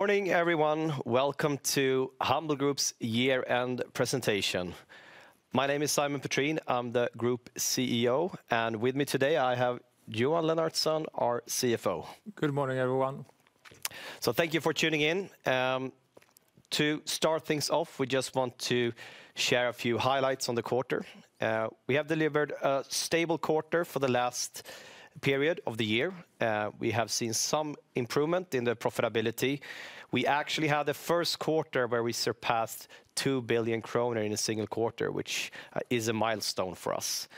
Morning, everyone. Welcome to Humble Group's year-end presentation. My name is Simon Petrén. I'm the Group CEO, and with me today, I have Johan Lennartsson, our CFO. Good morning, everyone. Thank you for tuning in. To start things off, we just want to share a few highlights on the quarter. We have delivered a stable quarter for the last period of the year. We have seen some improvement in the profitability. We actually had a Q1 where we surpassed 2 billion kronor in a single quarter, which is a milestone for us.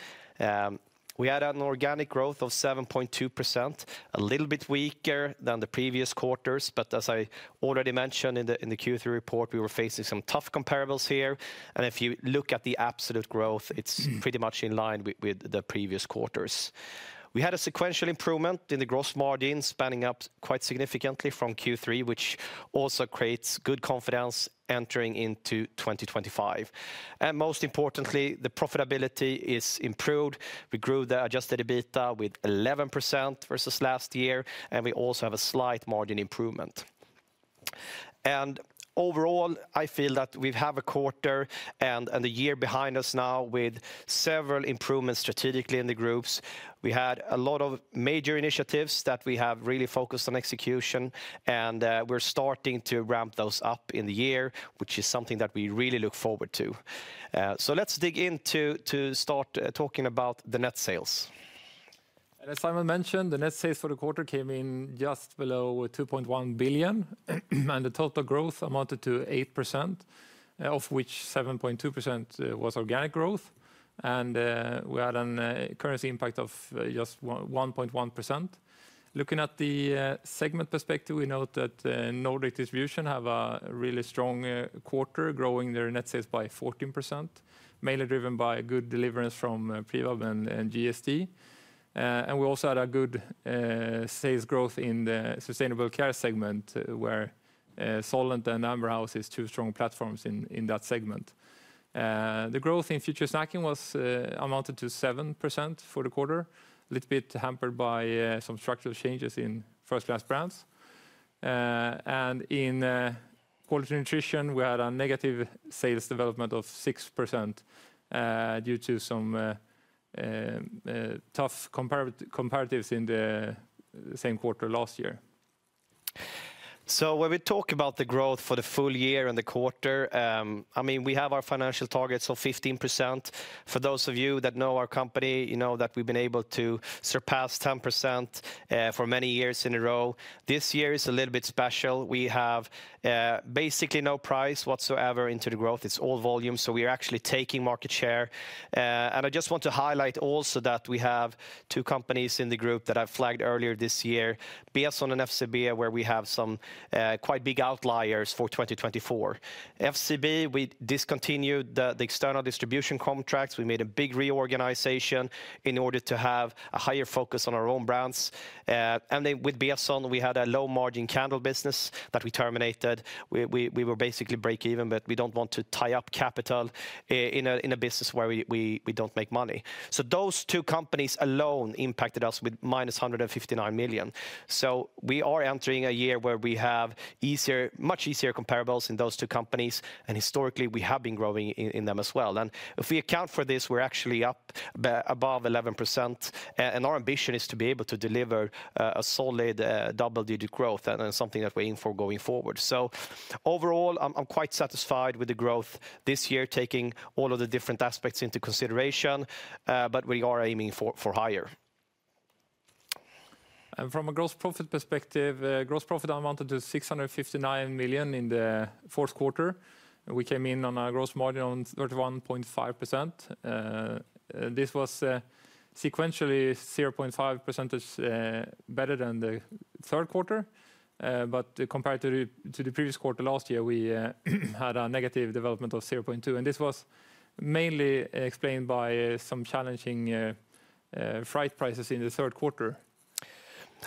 We had an organic growth of 7.2%, a little bit weaker than the previous quarters. As I already mentioned in the Q3 report, we were facing some tough comparables here. If you look at the absolute growth, it's pretty much in line with the previous quarters. We had a sequential improvement in the gross margin, stepping up quite significantly from Q3, which also creates good confidence entering into 2025. Most importantly, the profitability is improved. We grew the Adjusted EBITDA with 11% versus last year, and we also have a slight margin improvement, and overall, I feel that we have a quarter and a year behind us now with several improvements strategically in the groups. We had a lot of major initiatives that we have really focused on execution, and we're starting to ramp those up in the year, which is something that we really look forward to, so let's dig in to start talking about the net sales. As Simon mentioned, the net sales for the quarter came in just below 2.1 billion, and the total growth amounted to 8%, of which 7.2% was organic growth, and we had a currency impact of just 1.1%. Looking at the segment perspective, we note that Nordic Distribution have a really strong quarter, growing their net sales by 14%, mainly driven by good delivery from Privab and GST. And we also had a good sales growth in the Sustainable Care segment, where Solent and Amber House are two strong platforms in that segment. The growth in Future Snacking amounted to 7% for the quarter, a little bit hampered by some structural changes in First Class Brands. And in Quality Nutrition, we had a negative sales development of 6% due to some tough comparatives in the same quarter last year. So, when we talk about the growth for the full year and the quarter, I mean, we have our financial targets of 15%. For those of you that know our company, you know that we've been able to surpass 10% for many years in a row. This year is a little bit special. We have basically no price whatsoever into the growth. It's all volume, so we are actually taking market share. And I just want to highlight also that we have two companies in the group that I've flagged earlier this year, Beson and FCB, where we have some quite big outliers for 2024. FCB, we discontinued the external distribution contracts. We made a big reorganization in order to have a higher focus on our own brands. And then with Beson, we had a low-margin candle business that we terminated. We were basically break-even, but we don't want to tie up capital in a business where we don't make money, so those two companies alone impacted us with -159 million, so we are entering a year where we have much easier comparables in those two companies, and historically, we have been growing in them as well, and if we account for this, we're actually up above 11%, and our ambition is to be able to deliver a solid double-digit growth and something that we aim for going forward, so overall, I'm quite satisfied with the growth this year, taking all of the different aspects into consideration, but we are aiming for higher. From a gross profit perspective, gross profit amounted to 659 million in the Q4. We came in on a gross margin of 31.5%. This was sequentially 0.5% better than the Q3, but compared to the previous quarter last year, we had a negative development of 0.2%, and this was mainly explained by some challenging freight prices in the Q3.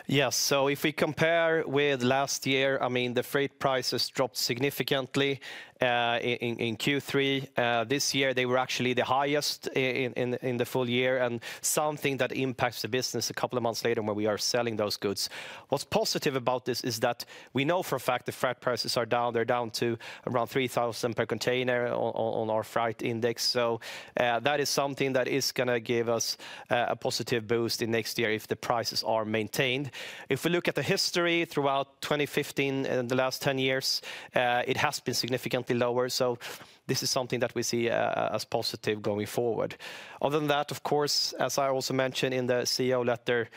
Yes, so if we compare with last year, I mean, the freight prices dropped significantly in Q3. This year, they were actually the highest in the full year, and something that impacts the business a couple of months later when we are selling those goods. What's positive about this is that we know for a fact the freight prices are down. They're down to around 3,000 per container on our freight index. So that is something that is going to give us a positive boost in next year if the prices are maintained. If we look at the history throughout 2015 and the last 10 years, it has been significantly lower. So this is something that we see as positive going forward. Other than that, of course, as I also mentioned in the CEO letter,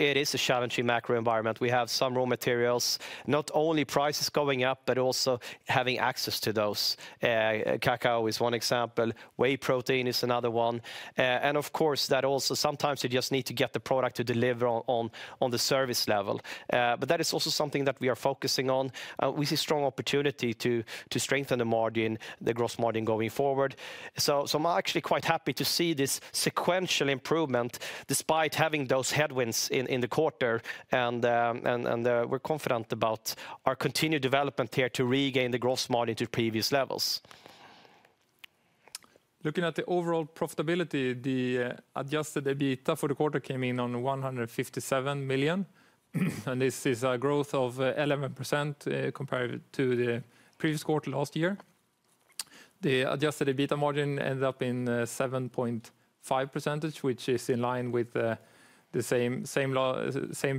it is a challenging macro environment. We have some raw materials, not only prices going up, but also having access to those. Cacao is one example. Whey protein is another one, and of course, that also sometimes you just need to get the product to deliver on the service level, but that is also something that we are focusing on. We see strong opportunity to strengthen the margin, the gross margin going forward, so I'm actually quite happy to see this sequential improvement despite having those headwinds in the quarter, and we're confident about our continued development here to regain the gross margin to previous levels. Looking at the overall profitability, the adjusted EBITDA for the quarter came in on 157 million, and this is a growth of 11% compared to the previous quarter last year. The adjusted EBITDA margin ended up in 7.5%, which is in line with the same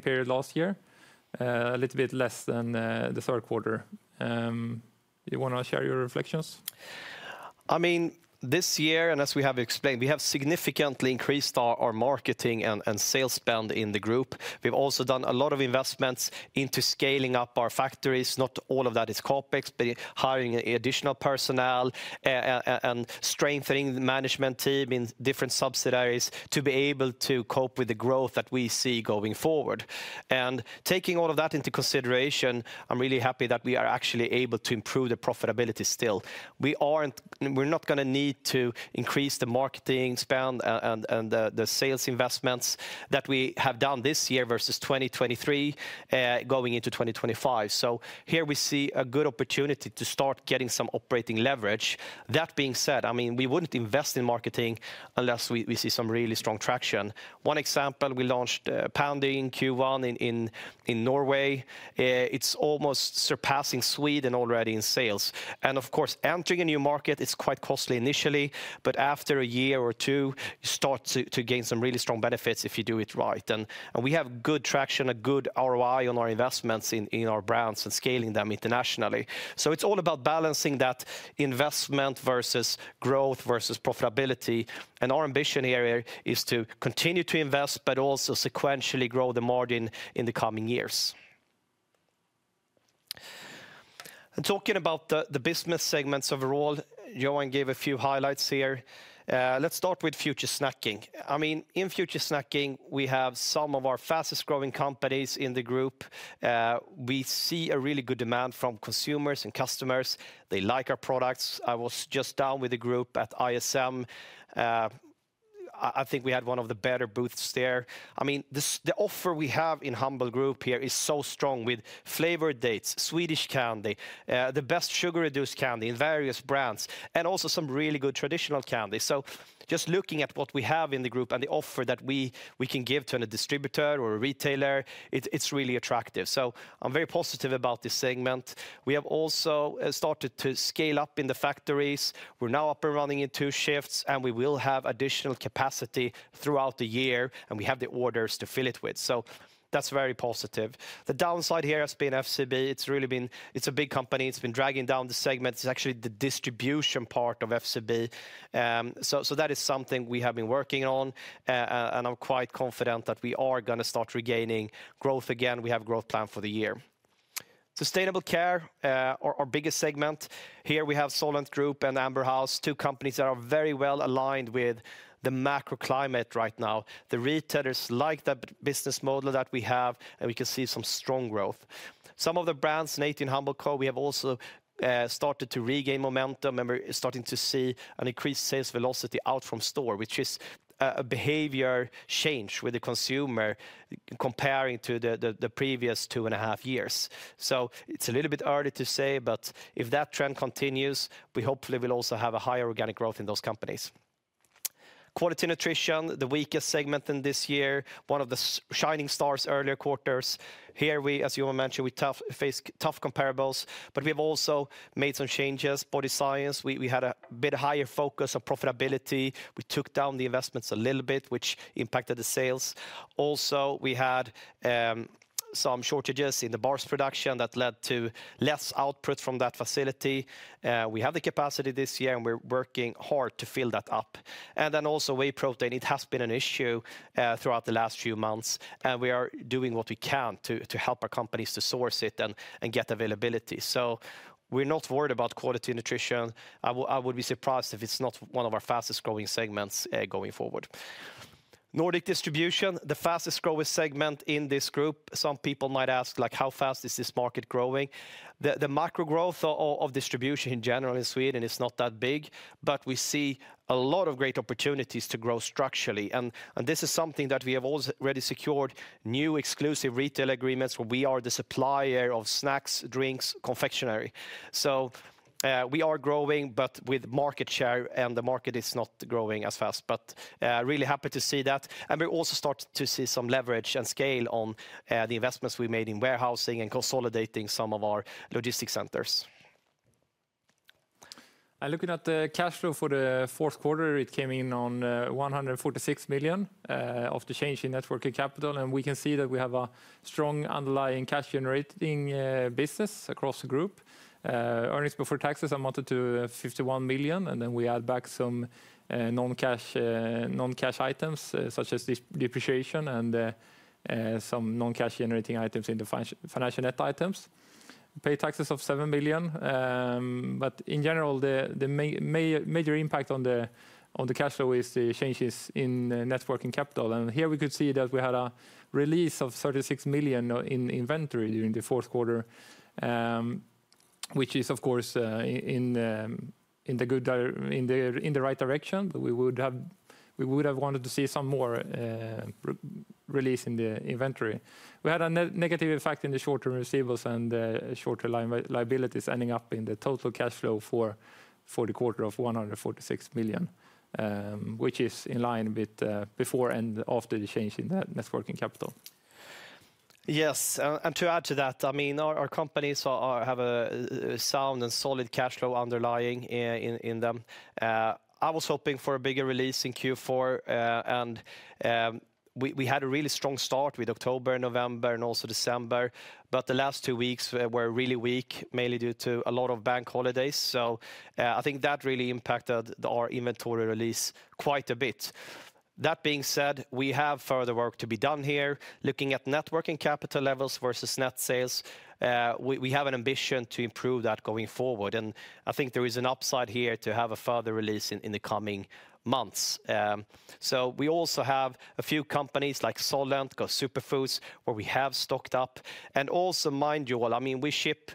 period last year, a little bit less than the Q3. Do you want to share your reflections? I mean, this year, and as we have explained, we have significantly increased our marketing and sales spend in the group. We've also done a lot of investments into scaling up our factories. Not all of that is CapEx, but hiring additional personnel and strengthening the management team in different subsidiaries to be able to cope with the growth that we see going forward, and taking all of that into consideration, I'm really happy that we are actually able to improve the profitability still. We're not going to need to increase the marketing spend and the sales investments that we have done this year versus 2023 going into 2025, so here we see a good opportunity to start getting some operating leverage. That being said, I mean, we wouldn't invest in marketing unless we see some really strong traction. One example, we launched Pändy in Q1 in Norway. It's almost surpassing Sweden already in sales. And of course, entering a new market, it's quite costly initially, but after a year or two, you start to gain some really strong benefits if you do it right. And we have good traction, a good ROI on our investments in our brands and scaling them internationally. So it's all about balancing that investment versus growth versus profitability. And our ambition here is to continue to invest, but also sequentially grow the margin in the coming years. And talking about the business segments overall, Johan gave a few highlights here. Let's start with Future Snacking. I mean, in Future Snacking, we have some of our fastest growing companies in the group. We see a really good demand from consumers and customers. They like our products. I was just down with the group at ISM. I think we had one of the better booths there. I mean, the offer we have in Humble Group here is so strong with flavored dates, Swedish Candy, the best sugar-reduced candy in various brands, and also some really good traditional candy. So just looking at what we have in the group and the offer that we can give to a distributor or a retailer, it's really attractive. So I'm very positive about this segment. We have also started to scale up in the factories. We're now up and running in two shifts, and we will have additional capacity throughout the year, and we have the orders to fill it with. So that's very positive. The downside here has been FCB. It's really been a big company. It's been dragging down the segment. It's actually the distribution part of FCB. So that is something we have been working on, and I'm quite confident that we are going to start regaining growth again. We have a growth plan for the year. Sustainable Care, our biggest segment. Here we have Solent Group and Amber House, two companies that are very well aligned with the macro climate right now. The retailers like that business model that we have, and we can see some strong growth. Some of the brands native to Humble Co, we have also started to regain momentum, and we're starting to see an increased sales velocity out from store, which is a behavior change with the consumer comparing to the previous two and a half years. So it's a little bit early to say, but if that trend continues, we hopefully will also have a higher organic growth in those companies. Quality Nutrition, the weakest segment in this year, one of the shining stars earlier quarters. Here, as Johan mentioned, we face tough comparables, but we have also made some changes. Body Science, we had a bit higher focus on profitability. We took down the investments a little bit, which impacted the sales. Also, we had some shortages in the bars production that led to less output from that facility. We have the capacity this year, and we're working hard to fill that up. And then also whey protein, it has been an issue throughout the last few months, and we are doing what we can to help our companies to source it and get availability. So we're not worried about Quality Nutrition. I would be surprised if it's not one of our fastest growing segments going forward. Nordic Distribution, the fastest growing segment in this group. Some people might ask, like, how fast is this market growing? The macro growth of distribution in general in Sweden is not that big, but we see a lot of great opportunities to grow structurally. And this is something that we have already secured new exclusive retail agreements where we are the supplier of snacks, drinks, confectionery. So we are growing, but with market share, and the market is not growing as fast, but really happy to see that. And we also started to see some leverage and scale on the investments we made in warehousing and consolidating some of our logistics centers. Looking at the cash flow for the Q4, it came in at 146 million after change in net working capital. We can see that we have a strong underlying cash-generating business across the group. Earnings before taxes amounted to 51 million, and then we add back some non-cash items such as depreciation and some non-cash-generating items in the financial net items. Paid taxes of 7 million. In general, the major impact on the cash flow is the changes in net working capital. Here we could see that we had a release of 36 million in inventory during the Q4, which is, of course, in the right direction, but we would have wanted to see some more release in the inventory. We had a negative effect in the short-term receivables and short-term liabilities ending up in the total cash flow for the quarter of 146 million, which is in line with before and after the change in net working capital. Yes, and to add to that, I mean, our companies have a sound and solid cash flow underlying in them. I was hoping for a bigger release in Q4, and we had a really strong start with October, November, and also December, but the last two weeks were really weak, mainly due to a lot of bank holidays. So I think that really impacted our inventory release quite a bit. That being said, we have further work to be done here. Looking at net working capital levels versus net sales, we have an ambition to improve that going forward, and I think there is an upside here to have a further release in the coming months. So we also have a few companies like Solent, GO Superfoods, where we have stocked up. Also, mind you, I mean, we ship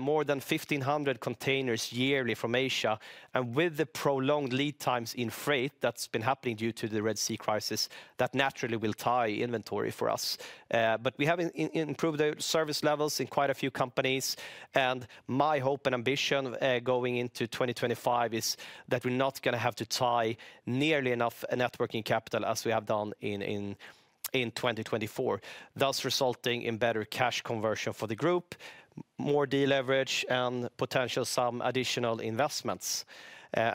more than 1,500 containers yearly from Asia, and with the prolonged lead times in freight that's been happening due to the Red Sea crisis, that naturally will tie inventory for us. But we have improved the service levels in quite a few companies, and my hope and ambition going into 2025 is that we're not going to have to tie nearly enough net working capital as we have done in 2024, thus resulting in better cash conversion for the group, more deleverage, and potential some additional investments.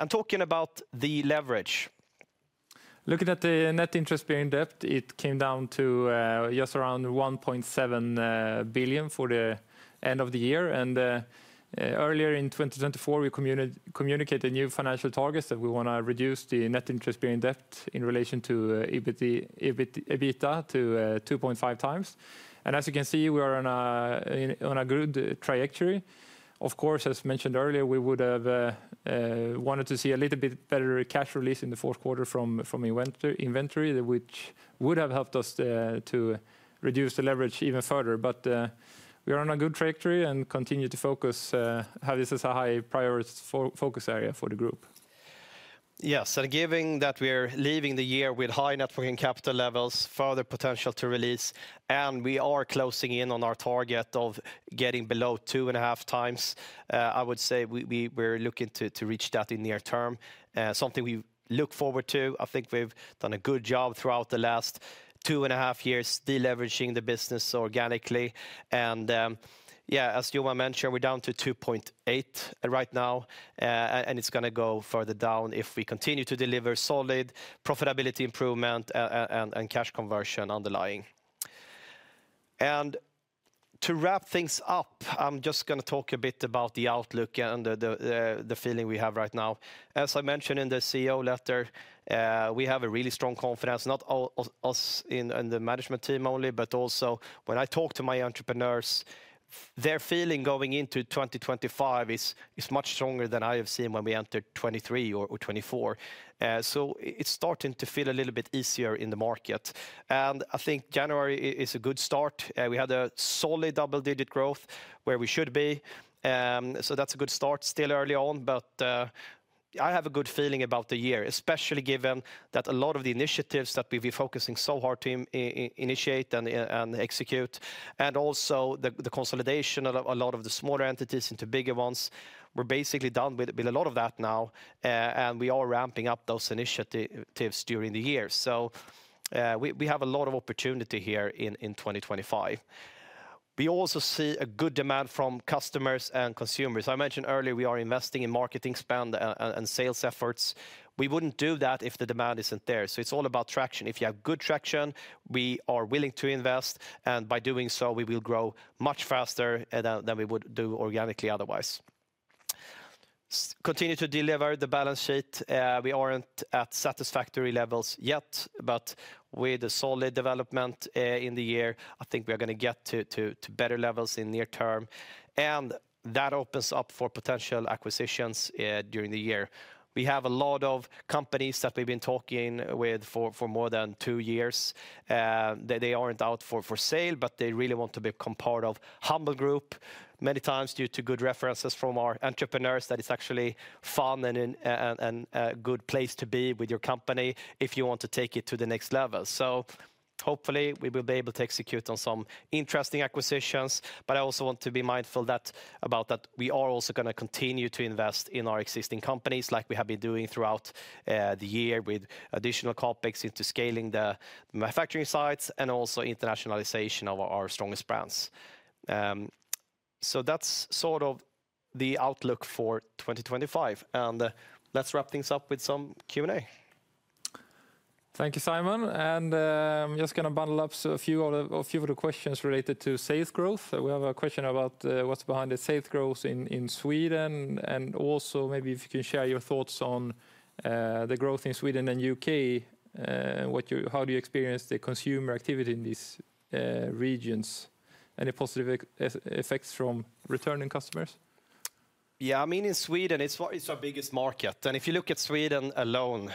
Talking about the leverage. Looking at the net interest bearing debt, it came down to just around 1.7 billion for the end of the year. And earlier in 2024, we communicated new financial targets that we want to reduce the net interest bearing debt in relation to EBITDA to 2.5 times. And as you can see, we are on a good trajectory. Of course, as mentioned earlier, we would have wanted to see a little bit better cash release in the Q4 from inventory, which would have helped us to reduce the leverage even further. But we are on a good trajectory and continue to focus. This is a high priority focus area for the group. Yes, and given that we are leaving the year with high net working capital levels, further potential to release, and we are closing in on our target of getting below two and a half times, I would say we're looking to reach that in near term, something we look forward to. I think we've done a good job throughout the last two and a half years deleveraging the business organically. And yeah, as Johan mentioned, we're down to 2.8 right now, and it's going to go further down if we continue to deliver solid profitability improvement and cash conversion underlying. And to wrap things up, I'm just going to talk a bit about the outlook and the feeling we have right now. As I mentioned in the CEO letter, we have a really strong confidence, not us in the management team only, but also when I talk to my entrepreneurs, their feeling going into 2025 is much stronger than I have seen when we entered 2023 or 2024. It's starting to feel a little bit easier in the market. I think January is a good start. We had a solid double-digit growth where we should be. That's a good start, still early on, but I have a good feeling about the year, especially given that a lot of the initiatives that we've been focusing so hard to initiate and execute, and also the consolidation of a lot of the smaller entities into bigger ones, we're basically done with a lot of that now, and we are ramping up those initiatives during the year. So we have a lot of opportunity here in 2025. We also see a good demand from customers and consumers. I mentioned earlier we are investing in marketing spend and sales efforts. We wouldn't do that if the demand isn't there. So it's all about traction. If you have good traction, we are willing to invest, and by doing so, we will grow much faster than we would do organically otherwise. Continue to deliver the balance sheet. We aren't at satisfactory levels yet, but with a solid development in the year, I think we are going to get to better levels in near term, and that opens up for potential acquisitions during the year. We have a lot of companies that we've been talking with for more than two years. They aren't out for sale, but they really want to become part of Humble Group many times due to good references from our entrepreneurs that it's actually fun and a good place to be with your company if you want to take it to the next level. So hopefully, we will be able to execute on some interesting acquisitions, but I also want to be mindful about that we are also going to continue to invest in our existing companies like we have been doing throughout the year with additional CapEx into scaling the manufacturing sites and also internationalization of our strongest brands. So that's sort of the outlook for 2025, and let's wrap things up with some Q&A. Thank you, Simon. And I'm just going to bundle up a few of the questions related to sales growth. We have a question about what's behind the sales growth in Sweden, and also maybe if you can share your thoughts on the growth in Sweden and the UK, how do you experience the consumer activity in these regions, any positive effects from returning customers? Yeah, I mean, in Sweden, it's our biggest market. And if you look at Sweden alone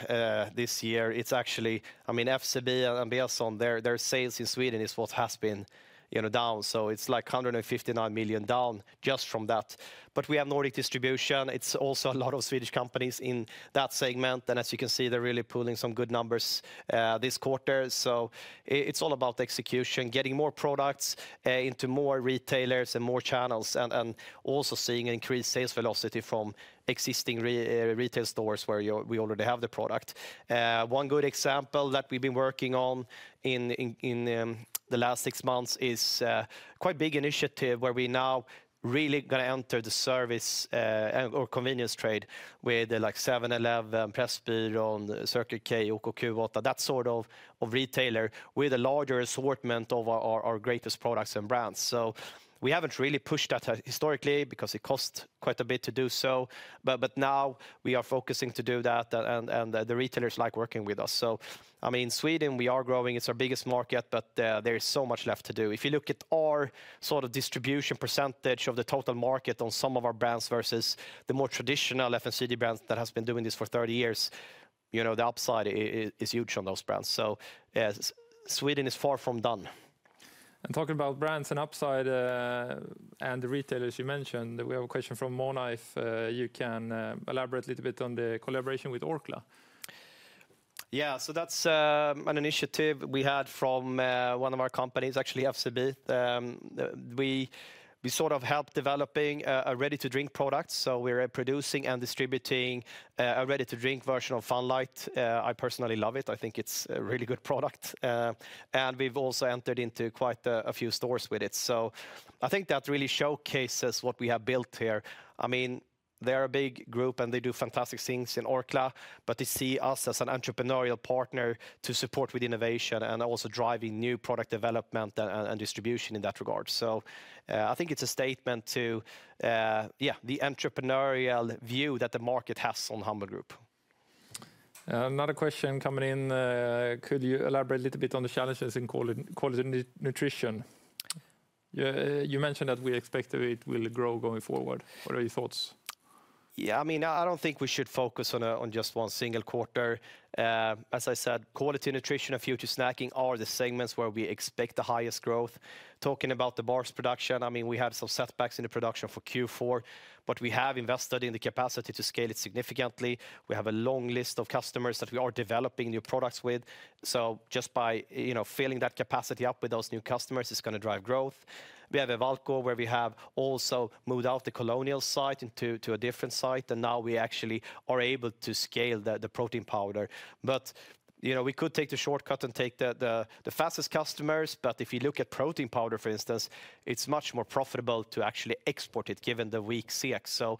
this year, it's actually, I mean, FCB and Beson, their sales in Sweden is what has been down. So it's like 159 million down just from that. But we have Nordic Distribution. It's also a lot of Swedish companies in that segment, and as you can see, they're really pulling some good numbers this quarter. So it's all about execution, getting more products into more retailers and more channels, and also seeing an increased sales velocity from existing retail stores where we already have the product. One good example that we've been working on in the last six months is quite a big initiative where we're now really going to enter the service or convenience trade 7-Eleven, Pressbyrån, Circle K, OKQ8, that sort of retailer with a larger assortment of our greatest products and brands. So we haven't really pushed that historically because it costs quite a bit to do so, but now we are focusing to do that, and the retailers like working with us. So I mean, in Sweden, we are growing. It's our biggest market, but there is so much left to do. If you look at our sort of distribution percentage of the total market on some of our brands versus the more traditional FMCG brands that have been doing this for 30 years, the upside is huge on those brands. So Sweden is far from done. Talking about brands and upside and the retailers you mentioned, we have a question from Mona. If you can elaborate a little bit on the collaboration with Orkla. Yeah, so that's an initiative we had from one of our companies, actually FCB. We sort of helped developing a ready-to-drink product. So we're producing and distributing a ready-to-drink version of Fun Light. I personally love it. I think it's a really good product. And we've also entered into quite a few stores with it. So I think that really showcases what we have built here. I mean, they're a big group, and they do fantastic things in Orkla, but they see us as an entrepreneurial partner to support with innovation and also driving new product development and distribution in that regard. So I think it's a statement to, yeah, the entrepreneurial view that the market has on Humble Group. Another question coming in. Could you elaborate a little bit on the challenges in Quality Nutrition? You mentioned that we expect it will grow going forward. What are your thoughts? Yeah, I mean, I don't think we should focus on just one single quarter. As I said, Quality Nutrition and Future Snacking are the segments where we expect the highest growth. Talking about the bars production, I mean, we had some setbacks in the production for Q4, but we have invested in the capacity to scale it significantly. We have a long list of customers that we are developing new products with. So just by filling that capacity up with those new customers, it's going to drive growth. We have a ellCo where we have also moved out the Colonial site into a different site, and now we actually are able to scale the protein powder. But we could take the shortcut and take the fastest customers, but if you look at protein powder, for instance, it's much more profitable to actually export it given the weak SEK. So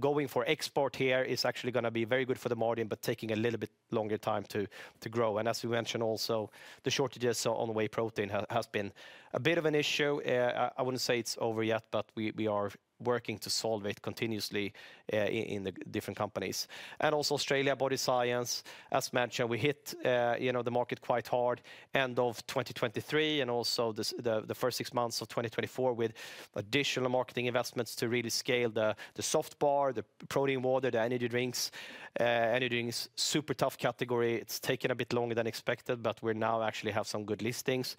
going for export here is actually going to be very good for the margin, but taking a little bit longer time to grow. And as we mentioned also, the shortages on whey protein have been a bit of an issue. I wouldn't say it's over yet, but we are working to solve it continuously in the different companies. And also Australian Body Science, as mentioned, we hit the market quite hard end of 2023 and also the first six months of 2024 with additional marketing investments to really scale the soft bar, the protein water, the energy drinks. Energy drinks, super tough category. It's taken a bit longer than expected, but we now actually have some good listings.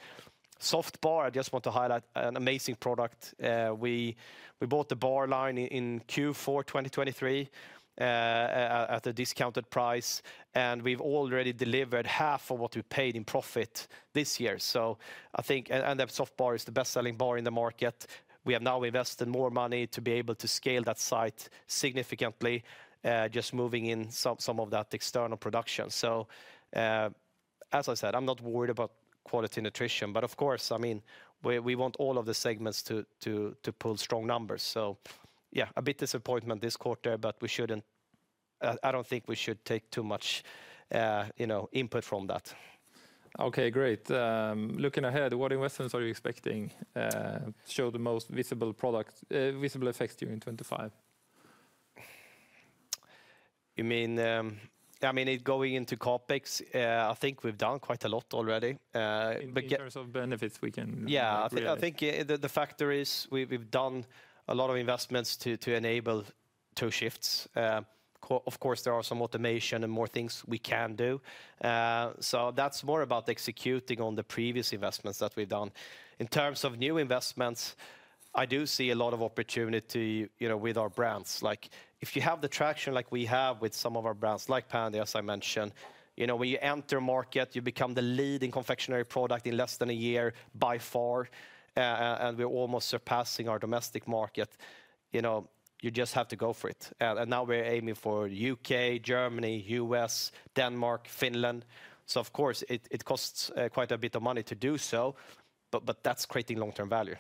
Soft Bar, I just want to highlight an amazing product. We bought the bar line in Q4 2023 at a discounted price, and we've already delivered half of what we paid in profit this year. So I think, and that Soft Bar is the best-selling bar in the market. We have now invested more money to be able to scale that site significantly, just moving in some of that external production. So as I said, I'm not worried about Quality Nutrition, but of course, I mean, we want all of the segments to pull strong numbers. So yeah, a bit disappointment this quarter, but we shouldn't, I don't think we should take too much input from that. Okay, great. Looking ahead, what investments are you expecting to show the most visible product, visible effects during 2025? You mean, I mean, going into CapEx, I think we've done quite a lot already. In terms of benefits we can. Yeah, I think the factor is we've done a lot of investments to enable two shifts. Of course, there are some automation and more things we can do, so that's more about executing on the previous investments that we've done. In terms of new investments, I do see a lot of opportunity with our brands. Like if you have the traction like we have with some of our brands like Pändy, as I mentioned, when you enter market, you become the leading confectionery product in less than a year by far, and we're almost surpassing our domestic market. You just have to go for it, and now we're aiming for UK, Germany, US, Denmark, Finland, so of course, it costs quite a bit of money to do so, but that's creating long-term value.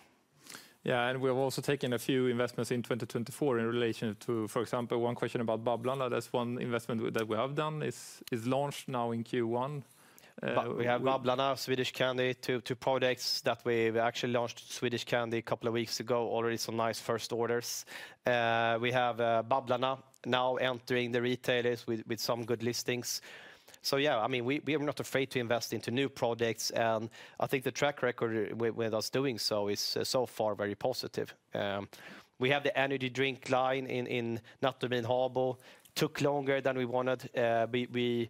Yeah, and we've also taken a few investments in 2024 in relation to, for example, one question about Babblarna. That's one investment that we have done is launched now in Q1. We have Babblarna, Swedish candy, two products that we actually launched Swedish candy a couple of weeks ago, already some nice first orders. We have Babblarna now entering the retailers with some good listings. So yeah, I mean, we are not afraid to invest into new products, and I think the track record with us doing so is so far very positive. We have the energy drink line in Natumin Habo. Took longer than we wanted. We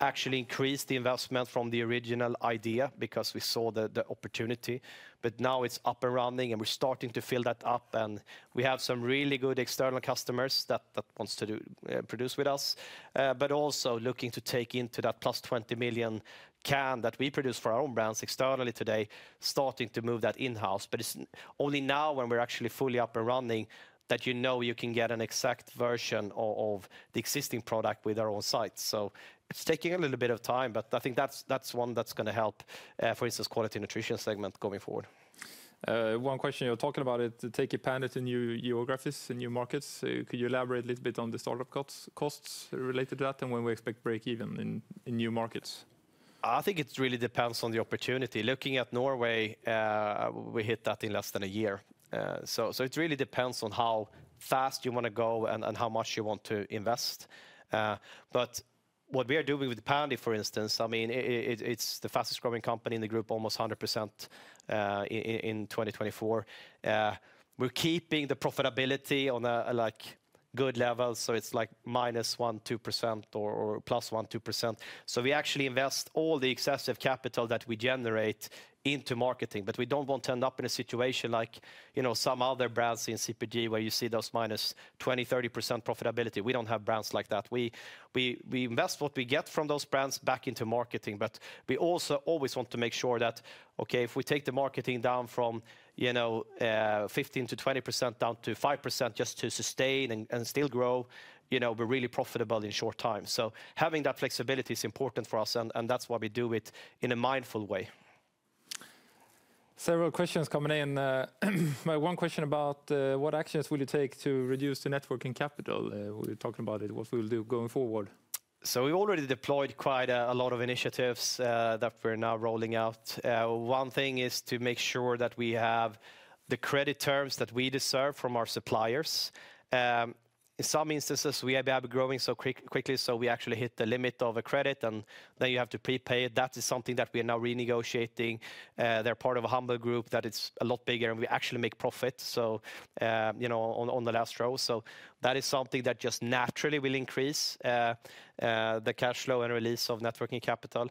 actually increased the investment from the original idea because we saw the opportunity, but now it's up and running and we're starting to fill that up, and we have some really good external customers that want to produce with us, but also looking to take into that plus 20 million can that we produce for our own brands externally today, starting to move that in-house. but it's only now when we're actually fully up and running that you know you can get an exact version of the existing product with our own site. so it's taking a little bit of time, but I think that's one that's going to help, for instance, Quality Nutrition segment going forward. One question, you were talking about it, taking Pändy to new geographies and new markets. Could you elaborate a little bit on the startup costs related to that and when we expect break-even in new markets? I think it really depends on the opportunity. Looking at Norway, we hit that in less than a year. So it really depends on how fast you want to go and how much you want to invest. But what we are doing with Pändy, for instance, I mean, it's the fastest growing company in the group, almost 100% in 2024. We're keeping the profitability on a good level. So it's like - 1% to 2% or + 1% to 2%. So we actually invest all the excessive capital that we generate into marketing, but we don't want to end up in a situation like some other brands in CPG where you see those - 20% to 30% profitability. We don't have brands like that. We invest what we get from those brands back into marketing, but we also always want to make sure that, okay, if we take the marketing down from 15% to 20% down to 5% just to sustain and still grow, we're really profitable in short time. So having that flexibility is important for us, and that's why we do it in a mindful way. Several questions coming in. One question about what actions will you take to reduce the net working capital? We're talking about it, what we'll do going forward. We've already deployed quite a lot of initiatives that we're now rolling out. One thing is to make sure that we have the credit terms that we deserve from our suppliers. In some instances, we have been growing so quickly, so we actually hit the limit of a credit, and then you have to prepay it. That is something that we are now renegotiating. They're part of a Humble Group that is a lot bigger, and we actually make profits on the bottom line. That is something that just naturally will increase the cash flow and release of net working capital.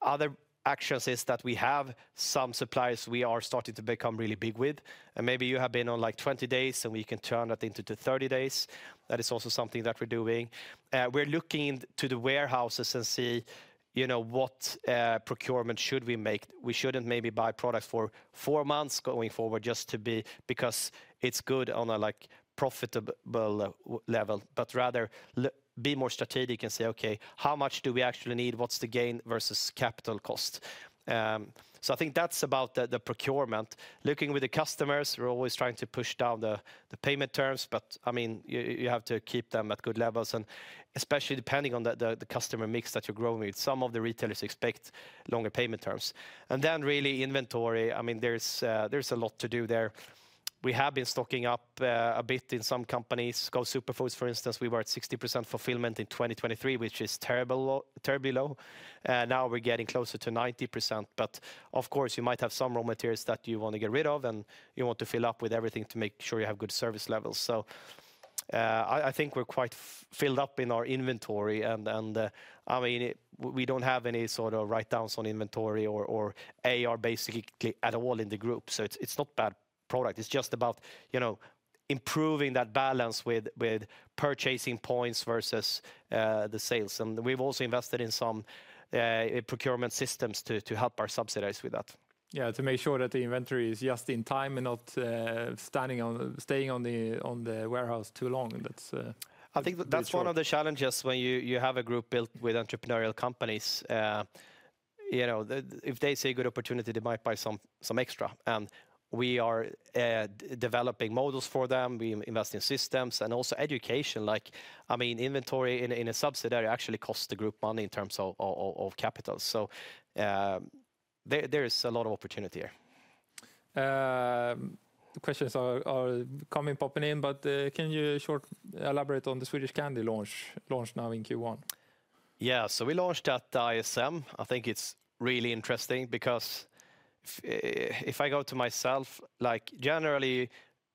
Other actions is that we have some suppliers we are starting to become really big with. And maybe you have been on like 20 days, and we can turn that into 30 days. That is also something that we're doing. We're looking into the warehouses and see what procurement should we make. We shouldn't maybe buy products for four months going forward just to be because it's good on a profitable level, but rather be more strategic and say, okay, how much do we actually need? What's the gain versus capital cost? So I think that's about the procurement. Looking with the customers, we're always trying to push down the payment terms, but I mean, you have to keep them at good levels, and especially depending on the customer mix that you're growing with, some of the retailers expect longer payment terms. And then really inventory, I mean, there's a lot to do there. We have been stocking up a bit in some companies. GO Superfoods, for instance, we were at 60% fulfillment in 2023, which is terribly low. Now we're getting closer to 90%, but of course, you might have some raw materials that you want to get rid of, and you want to fill up with everything to make sure you have good service levels. So I think we're quite filled up in our inventory, and I mean, we don't have any sort of write-downs on inventory or AR basically at all in the group. So it's not bad product. It's just about improving that balance with purchasing points versus the sales, and we've also invested in some procurement systems to help our subsidiaries with that. Yeah, to make sure that the inventory is just in time and not staying on the warehouse too long. I think that's one of the challenges when you have a group built with entrepreneurial companies. If they see a good opportunity, they might buy some extra. And we are developing models for them. We invest in systems and also education. Like I mean, inventory in a subsidiary actually costs the group money in terms of capital. So there is a lot of opportunity here. Questions are coming, popping in, but can you shortly elaborate on the Swedish candy launch now in Q1? Yeah, so we launched at ISM. I think it's really interesting because if I go to myself, like generally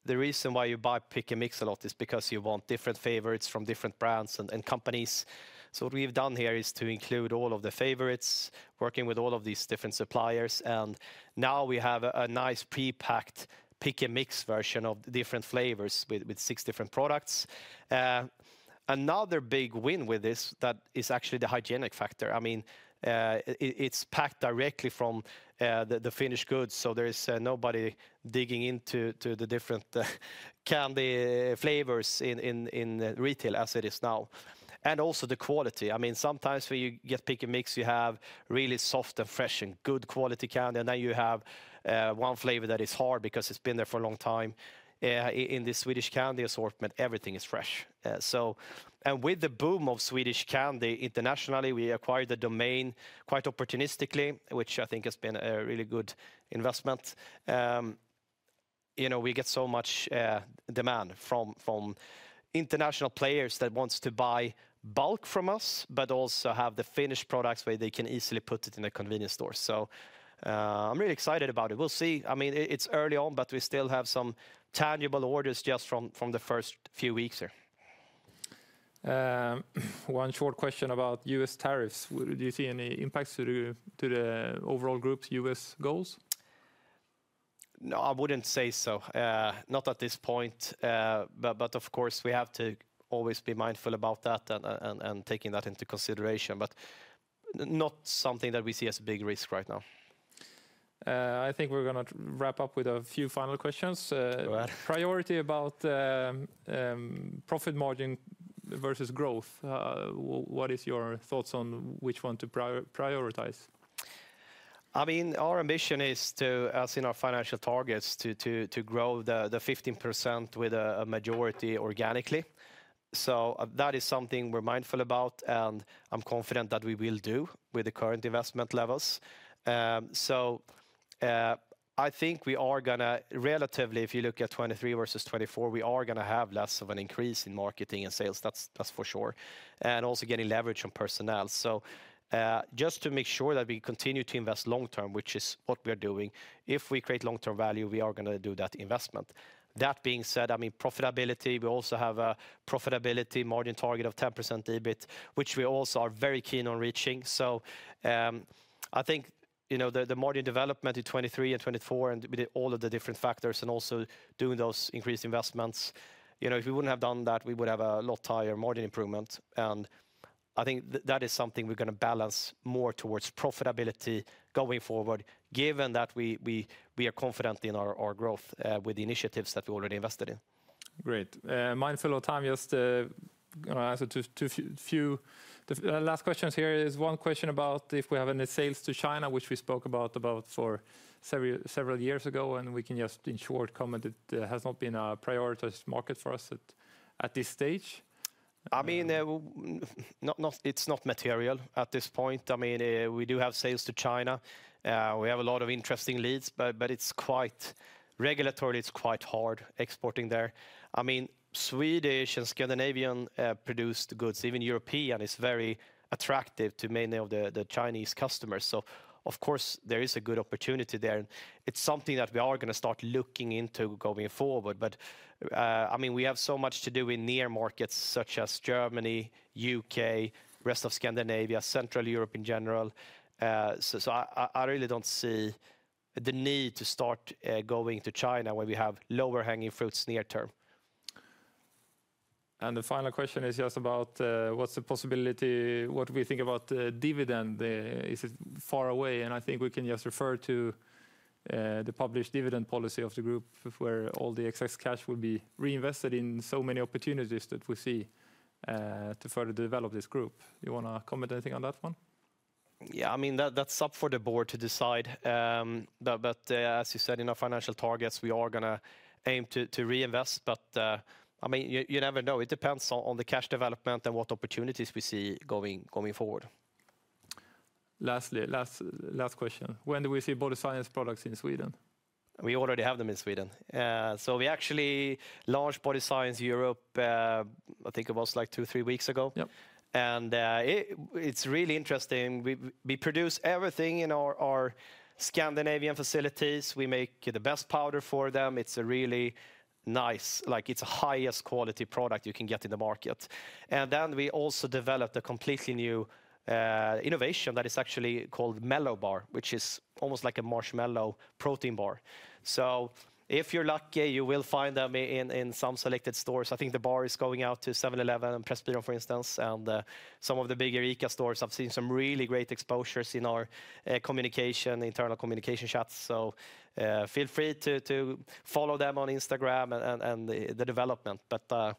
the reason why you buy pick and mix a lot is because you want different favorites from different brands and companies. So what we've done here is to include all of the favorites, working with all of these different suppliers. And now we have a nice pre-packed pick and mix version of different flavors with six different products. Another big win with this that is actually the hygienic factor. I mean, it's packed directly from the finished goods. So there is nobody digging into the different candy flavors in retail as it is now. And also the quality. I mean, sometimes when you get pick and mix, you have really soft and fresh and good quality candy, and then you have one flavor that is hard because it's been there for a long time. In the Swedish candy assortment, everything is fresh, and with the boom of Swedish candy internationally, we acquired the domain quite opportunistically, which I think has been a really good investment. We get so much demand from international players that want to buy bulk from us, but also have the finished products where they can easily put it in a convenience store. So I'm really excited about it. We'll see. I mean, it's early on, but we still have some tangible orders just from the first few weeks here. One short question about US tariffs. Do you see any impacts to the overall group's US goals? No, I wouldn't say so. Not at this point, but of course, we have to always be mindful about that and taking that into consideration, but not something that we see as a big risk right now. I think we're going to wrap up with a few final questions. Priority about profit margin versus growth. What are your thoughts on which one to prioritize? I mean, our ambition is to, as in our financial targets, to grow the 15% with a majority organically. So that is something we're mindful about, and I'm confident that we will do with the current investment levels. So I think we are going to relatively, if you look at 2023 versus 2024, we are going to have less of an increase in marketing and sales. That's for sure, and also getting leverage on personnel. So just to make sure that we continue to invest long term, which is what we are doing, if we create long term value, we are going to do that investment. That being said, I mean, profitability, we also have a profitability margin target of 10% EBIT, which we also are very keen on reaching. So, I think the margin development in 2023 and 2024 and with all of the different factors and also doing those increased investments, if we wouldn't have done that, we would have a lot higher margin improvement. And I think that is something we're going to balance more towards profitability going forward, given that we are confident in our growth with the initiatives that we already invested in. Great. Mindful of time, just a few last questions. Here is one question about if we have any sales to China, which we spoke about several years ago, and we can just in short comment it has not been a prioritized market for us at this stage. I mean, it's not material at this point. I mean, we do have sales to China. We have a lot of interesting leads, but regulatorily, it's quite hard exporting there. I mean, Swedish and Scandinavian produced goods, even European, is very attractive to many of the Chinese customers. So of course, there is a good opportunity there. It's something that we are going to start looking into going forward, but I mean, we have so much to do in near markets such as Germany, UK, rest of Scandinavia, Central Europe in general. So I really don't see the need to start going to China when we have lower hanging fruits near term. The final question is just about what's the possibility, what do we think about dividend? Is it far away? And I think we can just refer to the published dividend policy of the group where all the excess cash will be reinvested in so many opportunities that we see to further develop this group. Do you want to comment anything on that one? Yeah, I mean, that's up for the board to decide. But as you said, in our financial targets, we are going to aim to reinvest. But I mean, you never know. It depends on the cash development and what opportunities we see going forward. Last question. When do we see Body Science products in Sweden? We already have them in Sweden. So we actually launched Body Science Europe, I think it was like two, three weeks ago. And it's really interesting. We produce everything in our Scandinavian facilities. We make the best powder for them. It's a really nice, like it's the highest quality product you can get in the market. And then we also developed a completely new innovation that is actually called Mellow Bar, which is almost like a marshmallow protein bar. So if you're lucky, you will find them in some selected stores. I think the bar is going out to 7-Eleven and Pressbyrån, for instance, and some of the bigger ICA stores. I've seen some really great exposures in our communication, internal communication chats. So feel free to follow them on Instagram and the development. But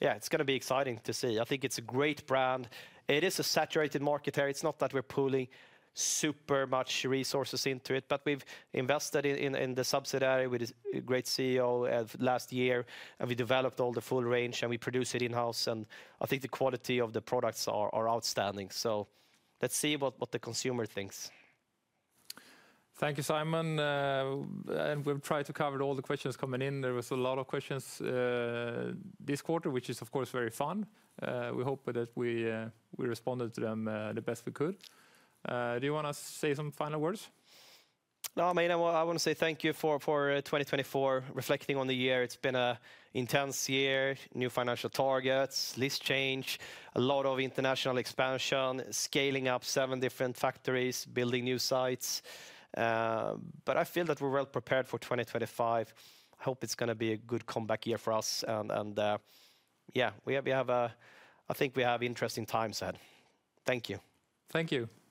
yeah, it's going to be exciting to see. I think it's a great brand. It is a saturated market area. It's not that we're pooling super much resources into it, but we've invested in the subsidiary with a great CEO last year, and we developed all the full range, and we produce it in-house. And I think the quality of the products are outstanding. So let's see what the consumer thinks. Thank you, Simon. And we've tried to cover all the questions coming in. There were a lot of questions this quarter, which is of course very fun. We hope that we responded to them the best we could. Do you want to say some final words? No, I mean, I want to say thank you for 2024, reflecting on the year. It's been an intense year, new financial targets, list change, a lot of international expansion, scaling up seven different factories, building new sites, but I feel that we're well prepared for 2025. I hope it's going to be a good comeback year for us, and yeah, I think we have interesting times ahead. Thank you. Thank you.